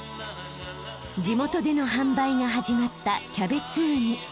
地元での販売が始まったキャベツウニ。